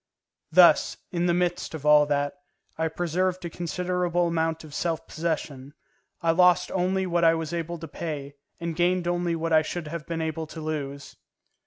Thus, in the midst of all that, I preserved a considerable amount of self possession; I lost only what I was able to pay, and gained only what I should have been able to lose.